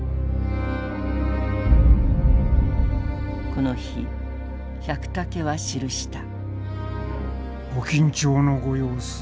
この日百武は記した。